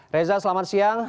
reza selamat siang